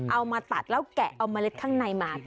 เอามาตัดแล้วแกะเอาเมล็ดข้างในมา